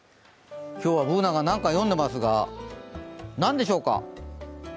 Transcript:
今日はＢｏｏｎａが何か読んでいますが、何でしょうか？